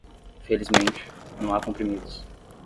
Felizmente, não há comprimidos.